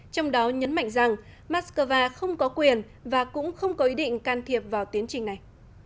trong đó nhấn mạnh rằng moscow không có quyền và cũng không có ý định can thiệp vào tiến trình này